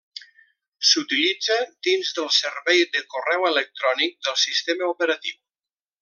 S'utilitza dins del servei de correu electrònic del sistema operatiu.